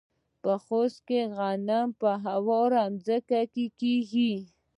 د خوست غنم په هواره ځمکه کیږي.